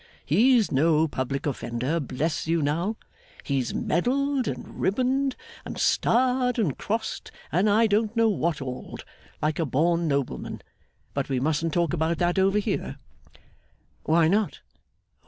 He's no public offender, bless you, now! He's medalled and ribboned, and starred and crossed, and I don't know what all'd, like a born nobleman. But we mustn't talk about that over here.' 'Why not?